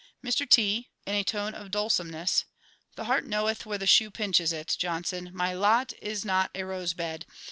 Mr T. (in a tone of dolesomeness). The heart knoweth where the shoe pinches it, JOHNSON. My lot is not a rose bed.